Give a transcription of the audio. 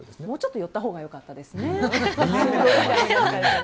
もうちょっと寄ったほうが良かったですね。